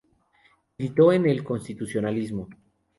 Militó en el constitucionalismo.